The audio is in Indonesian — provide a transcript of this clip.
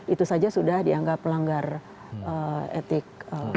itu saja sudah dianggap melanggar etik